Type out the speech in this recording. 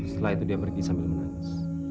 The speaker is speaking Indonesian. setelah itu dia pergi sambil menangis